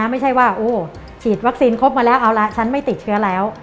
ไม่ใช่ว่าฉีดวัคซีนครบมาแล้วเอาละฉันไม่ติดเชื้อแล้ว